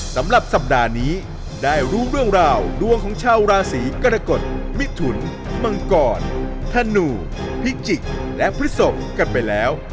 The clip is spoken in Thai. สำหรับสัปดาห์นี้ได้รู้เรื่องราวดวงของชาวราศีกรกฎมิถุนมังกรธนูพิจิกและพฤศพกันไปแล้ว